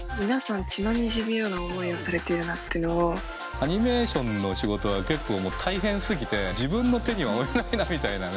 アニメーションの仕事は結構もう大変すぎて自分の手には負えないなみたいなね。